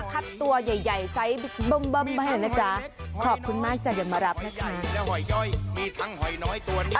คัดตัวใหญ่ใหญ่ไซส์บึ้มบึ้มมาเห็นนะจ๊ะขอบคุณมากจังอย่ามารับนะค่ะ